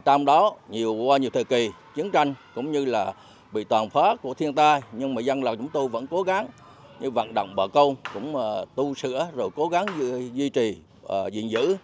trong đó nhiều qua nhiều thời kỳ chiến tranh cũng như là bị toàn phó của thiên tai nhưng mà dân lào chúng tôi vẫn cố gắng như vận động bà con cũng tu sửa rồi cố gắng duy trì diện giữ